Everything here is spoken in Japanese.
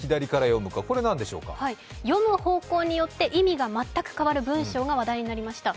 読む方向によって意味が全く変わる文章が話題になりました。